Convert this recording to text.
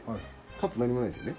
カップ何もないですよね？